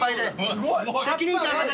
すごい。